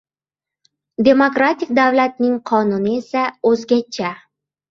Demokratik davlatning qonuni esa o‘zgacha.